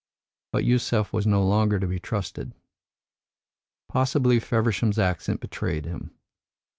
But Yusef was no longer to be trusted. Possibly Feversham's accent betrayed him.